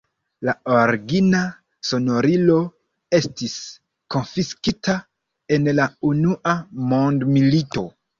La origina sonorilo estis konfiskita en la unua mondmilito.